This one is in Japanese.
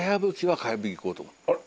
あら！